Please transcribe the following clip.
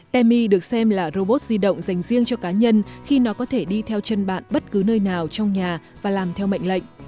temi được xem là robot di động dành riêng cho cá nhân khi nó có thể đi theo chân bạn bất cứ nơi nào trong nhà và làm theo mệnh lệnh